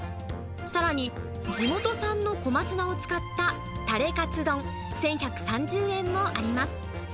さらに、地元産の小松菜を使ったタレかつ丼１１３０円もあります。